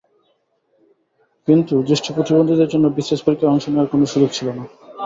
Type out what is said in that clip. কিন্তু দৃষ্টিপ্রতিবন্ধীদের জন্য বিসিএস পরীক্ষায় অংশ নেওয়ার কোনো সুযোগ ছিল না।